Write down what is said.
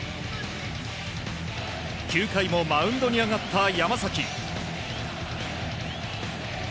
９回もマウンドに上がった山崎。